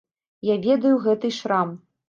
Я ведаю гэты шрам.